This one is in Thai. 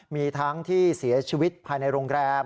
มีทั้งที่เสียชีวิตภายในโรงแรม